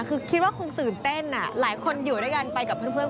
คือคิดว่าคงตื่นเต้นหลายคนอยู่ด้วยกันไปกับเพื่อน